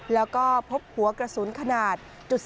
แล้วก็พบหัวกระสุนขนาด๓๔